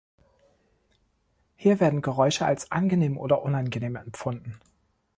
Hier werden Geräusche als angenehm oder unangenehm empfunden.